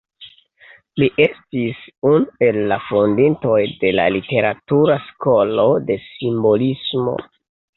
Li estis unu el la fondintoj de la literatura skolo de simbolismo.